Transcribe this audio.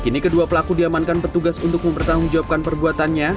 kini kedua pelaku diamankan petugas untuk mempertanggungjawabkan perbuatannya